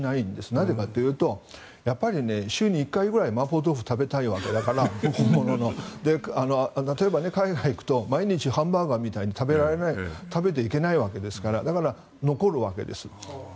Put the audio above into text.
なぜかというとやっぱり週に１回ぐらいマーボー豆腐を食べたいわけだから例えば海外に行くと毎日ハンバーガーみたいに食べに行けないわけですからだから残るわけです。